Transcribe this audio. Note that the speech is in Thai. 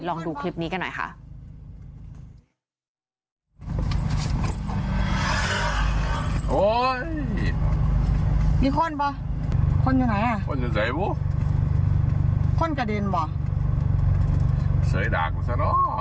ลองดูคลิปนี้กันหน่อยค่ะ